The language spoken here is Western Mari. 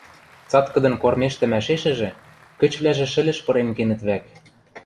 Цаткыдын кормежтӹмӓшешӹжӹ кӹчвлӓжӹ шӹлӹш пырен кенӹт вӓк.